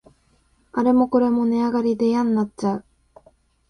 あれもこれも値上がりでやんなっちゃう